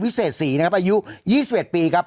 เศษศรีนะครับอายุ๒๑ปีครับ